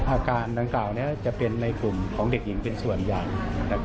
อาการดังกล่าวจะเป็นในกลุ่มของเด็กหญิงเป็นส่วนใหญ่